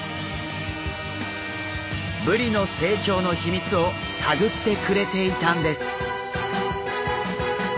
ブリの成長の秘密を探ってくれていたんです。